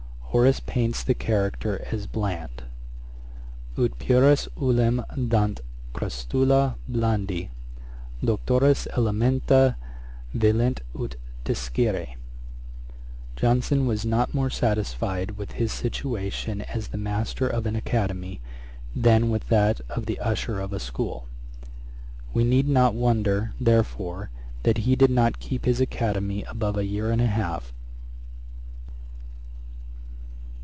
Horace paints the character as bland: '... Ut pueris olim dant crustula blandi Doctores, elementa velint ut discere.' [Page 99: Mrs. Johnson. Ætat 27.] Johnson was not more satisfied with his situation as the master of an academy, than with that of the usher of a school; we need not wonder, therefore, that he did not keep his academy above a year and a half.